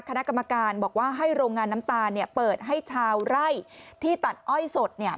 คณะกรรมการบอกว่าให้โรงงานน้ำตาลเปิดให้ชาวไร่ที่ตัดอ้อยสดเนี่ย